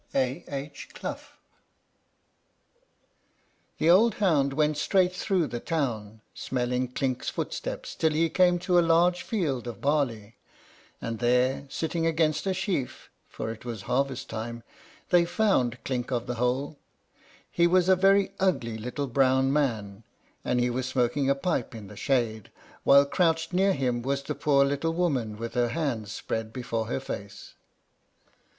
A. H. CLOUGH. The old hound went straight through the town, smelling Clink's footsteps, till he came into a large field of barley; and there, sitting against a sheaf, for it was harvest time, they found Clink of the Hole. He was a very ugly little brown man, and he was smoking a pipe in the shade; while crouched near him was the poor little woman, with her hands spread before her face.